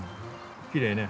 きれいね。